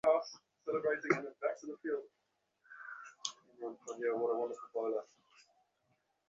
নাসার গবেষকেরা সারা বিশ্বের সবাইকেই তাদের নাম মহাকাশে পাঠানোর সুযোগ করে দিচ্ছেন।